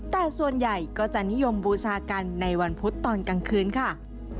แต่ส่วนใหญ่ก็จะนิยมบูชากันในวันพุธตอนกลางคืนค่ะ